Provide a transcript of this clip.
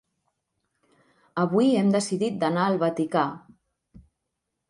Avui hem decidit d'anar al Vaticà.